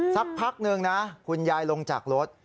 สักพักหนึ่งนะคุณยายลงจากรถ